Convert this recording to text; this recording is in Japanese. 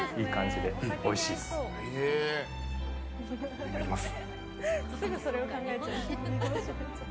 いただきます。